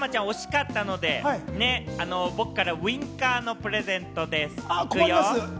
でも、ちょっと山ちゃん惜しかったので僕からウィンカーのプレゼントです。